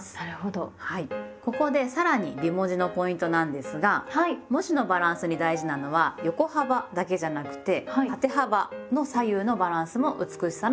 ここでさらに美文字のポイントなんですが文字のバランスに大事なのは横幅だけじゃなくて縦幅の左右のバランスも美しさのポイントです。